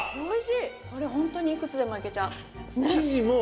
これホントにいくつでもいけちゃう。